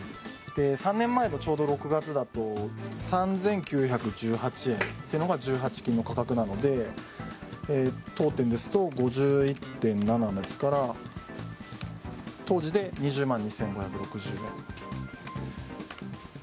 ３年前のちょうど６月だと３９１８円というのが１８金の価格なので当店ですと５１．７ですから当時で２０万２５６０円。